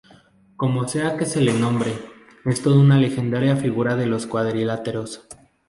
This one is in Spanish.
Como sea que se le nombre, es toda una legendaria figura de los cuadriláteros.